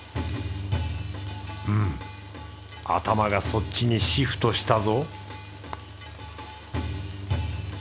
うん頭がそっちにシフトしたぞ